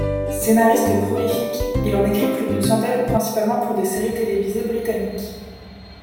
Scénariste prolifique, il en écrit plus d'une centaine principalement pour des séries télévisées britanniques.